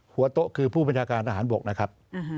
หัวโต๊ะคือผู้บัญชาการทหารบกนะครับ